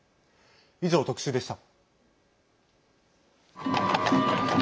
以上、特集でした。